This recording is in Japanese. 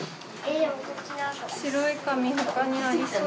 白い紙他にありそう？